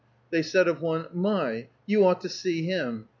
They said of one, "My! You ought to see him!